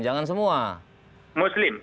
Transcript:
jangan semua muslim